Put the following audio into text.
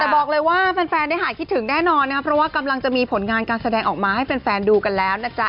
แต่บอกเลยว่าแฟนได้หายคิดถึงแน่นอนนะครับเพราะว่ากำลังจะมีผลงานการแสดงออกมาให้แฟนดูกันแล้วนะจ๊ะ